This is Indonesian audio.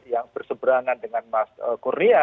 yang berseberangan dengan mas kurnia